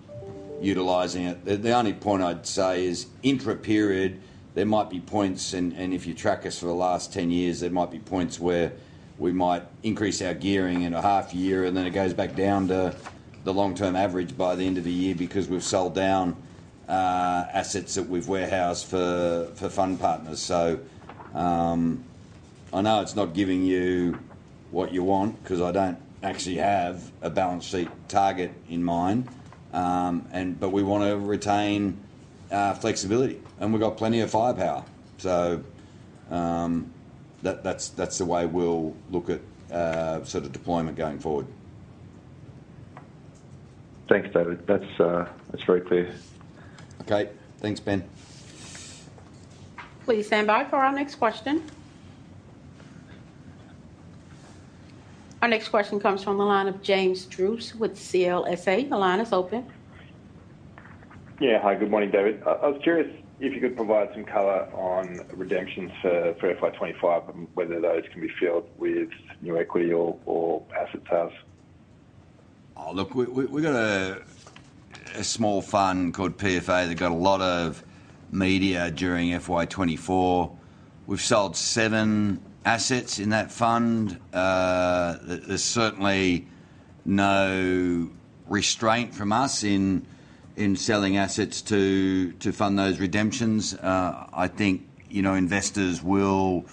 utilizing it. The only point I'd say is, intra-period, there might be points, and if you track us for the last ten years, there might be points where we might increase our gearing in a half year, and then it goes back down to the long-term average by the end of the year because we've sold down assets that we've warehoused for fund partners. So, I know it's not giving you what you want, 'cause I don't actually have a balance sheet target in mind, and but we want to retain our flexibility, and we've got plenty of firepower. So, that's the way we'll look at sort of deployment going forward. Thanks, David. That's very clear. Okay, thanks, Ben. Please stand by for our next question. Our next question comes from the line of James Druce with CLSA. The line is open. Yeah. Hi, good morning, David. I was curious if you could provide some color on redemptions for FY 2025, and whether those can be filled with new equity or asset sales. Look, we got a small fund called PFA that got a lot of media during FY 2024. We've sold seven assets in that fund. There's certainly no restraint from us in selling assets to fund those redemptions. I think, you know, investors will,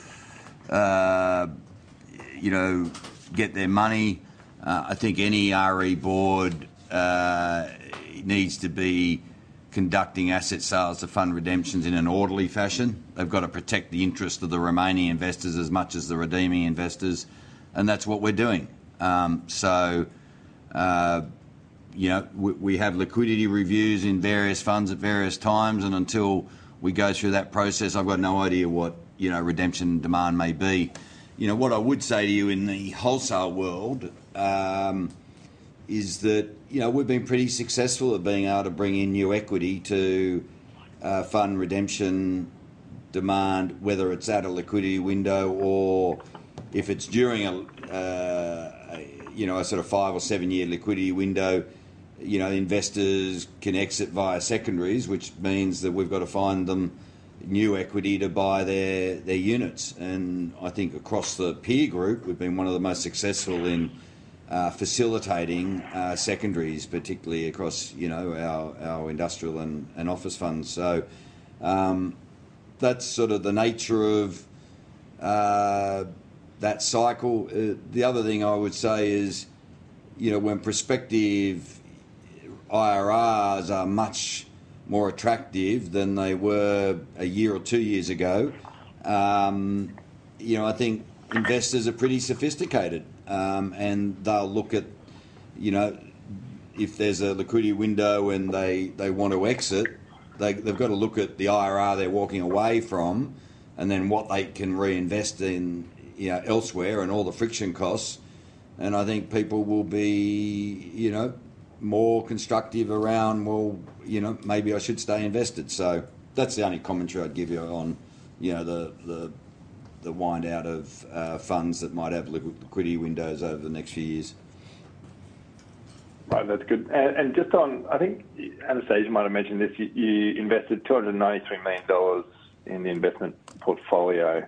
you know, get their money. I think any REIT board needs to be conducting asset sales to fund redemptions in an orderly fashion. They've got to protect the interest of the remaining investors as much as the redeeming investors, and that's what we're doing. So, you know, we have liquidity reviews in various funds at various times, and until we go through that process, I've got no idea what, you know, redemption demand may be. You know, what I would say to you in the wholesale world is that, you know, we've been pretty successful at being able to bring in new equity to fund redemption demand, whether it's at a liquidity window or if it's during a, you know, a sort of five or seven-year liquidity window. You know, investors can exit via secondaries, which means that we've got to find them new equity to buy their, their units. And I think across the peer group, we've been one of the most successful in facilitating secondaries, particularly across, you know, our, our industrial and, and office funds. So, that's sort of the nature of that cycle. The other thing I would say is, you know, when prospective IRRs are much more attractive than they were a year or two years ago, you know, I think investors are pretty sophisticated, and they'll look at, you know, if there's a liquidity window and they want to exit, they've got to look at the IRR they're walking away from, and then what they can reinvest in, you know, elsewhere, and all the friction costs. And I think people will be, you know, more constructive around, well, you know, maybe I should stay invested, so that's the only commentary I'd give you on, you know, the wind out of funds that might have liquidity windows over the next few years. Right, that's good. And just on... I think Anastasia might have mentioned this, you invested 293 million dollars in the investment portfolio.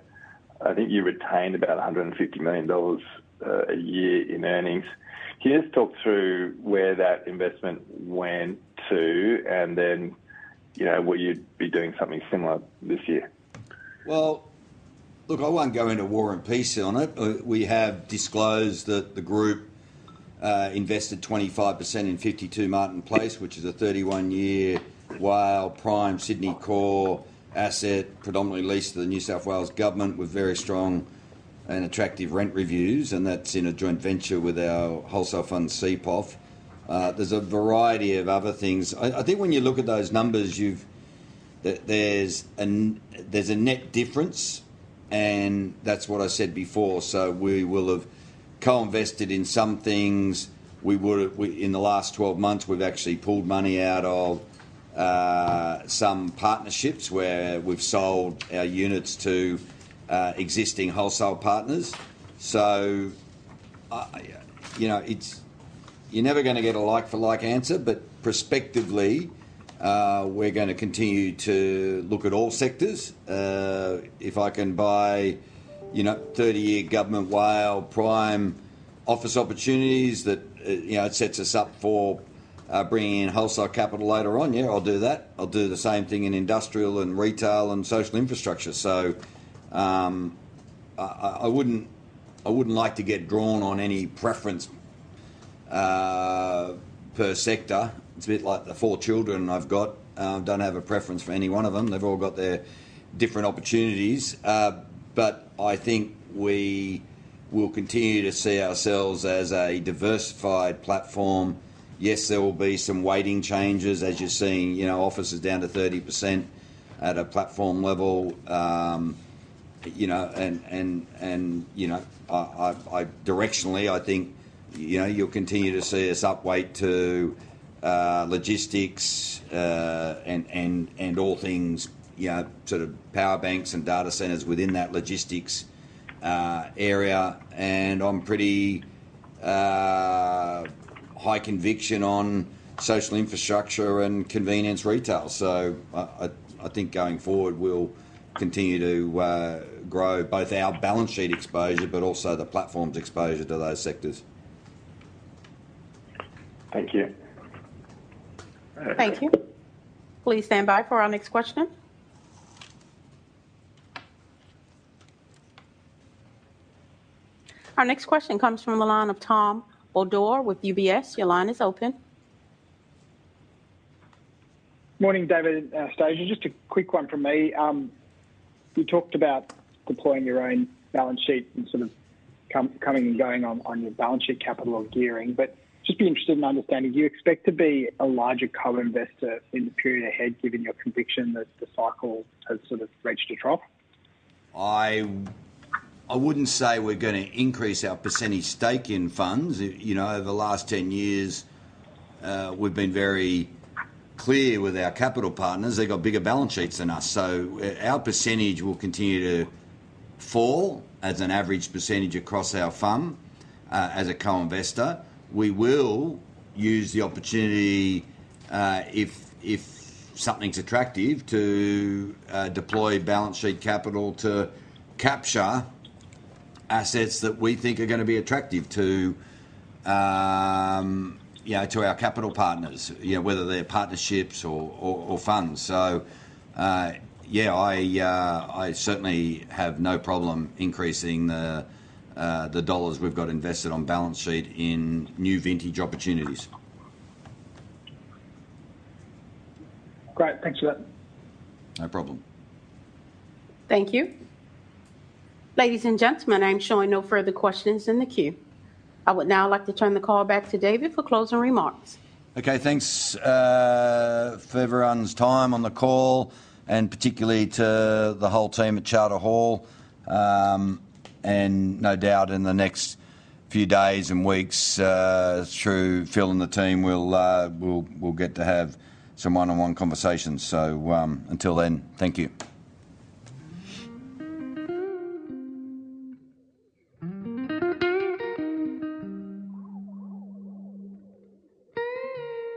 I think you retained about 150 million dollars a year in earnings. Can you just talk through where that investment went to, and then, you know, will you be doing something similar this year? Look, I won't go into war and peace on it. We have disclosed that the group invested 25% in 52 Martin Place, which is a 31-year WALE prime Sydney core asset, predominantly leased to the New South Wales Government, with very strong and attractive rent reviews, and that's in a joint venture with our wholesale fund, CPIF. There's a variety of other things. I think when you look at those numbers, there's a net difference, and that's what I said before. So we will have co-invested in some things. In the last 12 months, we've actually pulled money out of some partnerships where we've sold our units to existing wholesale partners. So, you know, it's... You're never gonna get a like-for-like answer, but prospectively, we're gonna continue to look at all sectors. If I can buy, you know, thirty-year government WALE prime office opportunities that, you know, it sets us up for bringing in wholesale capital later on, yeah, I'll do that. I'll do the same thing in industrial and retail, and social infrastructure. So, I wouldn't like to get drawn on any preference per sector. It's a bit like the four children I've got, don't have a preference for any one of them. They've all got their different opportunities. But I think we will continue to see ourselves as a diversified platform. Yes, there will be some weighting changes, as you're seeing, you know, office is down to 30% at a platform level, you know, and directionally, I think, you know, you'll continue to see us up weight to logistics, and all things, you know, sort of power banks and data centers within that logistics area, and I'm pretty high conviction on social infrastructure and convenience retail. So I think going forward, we'll continue to grow both our balance sheet exposure, but also the platform's exposure to those sectors. Thank you. Thank you. Please stand by for our next question. Our next question comes from the line of Tom Bodor with UBS. Your line is open. Morning, David and Anastasia. Just a quick one from me. You talked about deploying your own balance sheet and sort of coming and going on your balance sheet capital or gearing, but just be interested in understanding, do you expect to be a larger co-investor in the period ahead, given your conviction that the cycle has sort of reached a trough? I wouldn't say we're gonna increase our percentage stake in funds. You know, over the last 10 years, we've been very clear with our capital partners, they've got bigger balance sheets than us, so our percentage will continue to fall as an average percentage across our fund. As a co-investor, we will use the opportunity, if something's attractive, to deploy balance sheet capital to capture assets that we think are gonna be attractive to, you know, to our capital partners, you know, whether they're partnerships or funds. So, yeah, I certainly have no problem increasing the dollars we've got invested on balance sheet in new vintage opportunities. Great, thanks for that. No problem. Thank you. Ladies and gentlemen, I'm showing no further questions in the queue. I would now like to turn the call back to David for closing remarks. Okay, thanks for everyone's time on the call, and particularly to the whole team at Charter Hall, and no doubt in the next few days and weeks, through Phil and the team, we'll get to have some one-on-one conversations, so until then, thank you.